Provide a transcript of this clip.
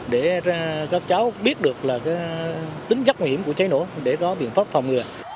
để các cháu biết được là tính chất nguy hiểm của cháy nổ để có biện pháp phòng ngừa